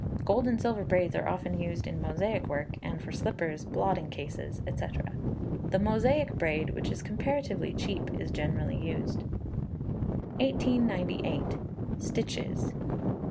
Gold and silver braids are often used in Mosaic work, and for slippers, blotting cases, &c. The Mosaic braid, which is comparatively cheap, is generally used. 1898. Stitches.